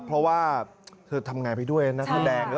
เพราะว่าเธอทำงานไปด้วยนักแสดง